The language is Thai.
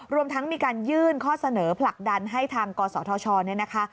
รวมทั้งมีการยื่นข้อเสนอผลักดันให้ทางกศธชเนี่ยนะคะ